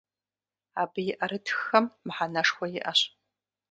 Абы и ӏэрытххэм мыхьэнэшхуэ иӏэщ.